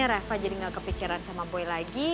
reva jadi nggak kepikiran sama boy lagi